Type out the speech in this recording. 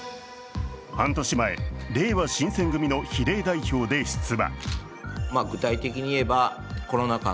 半年前、れいわ新選組の比例代表で出馬。